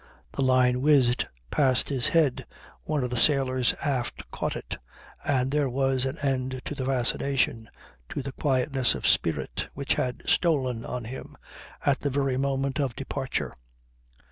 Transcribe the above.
The line whizzed past his head, one of the sailors aft caught it, and there was an end to the fascination, to the quietness of spirit which had stolen on him at the very moment of departure.